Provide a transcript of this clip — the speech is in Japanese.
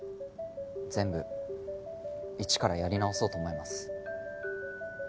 全部一からやり直そうと思います。